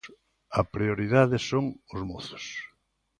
A prioridade son os mozos.